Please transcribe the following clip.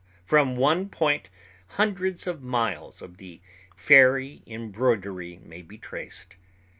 From one point hundreds of miles of the fairy embroidery may be traced.